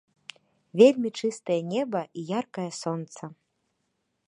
Вельмі чыстае неба і яркае сонца.